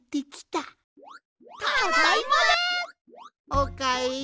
おかえり。